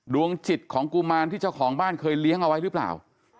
ดวงจิตของกุมารที่เจ้าของบ้านเคยเลี้ยงเอาไว้หรือเปล่า